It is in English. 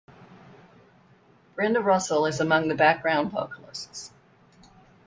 Brenda Russell is among the background vocalists.